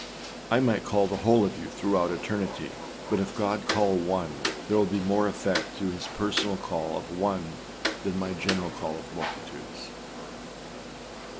â I might call the whole of you throughout eternity, but if God call one, there will be more effect through his personal call of one than my general call of multitudes.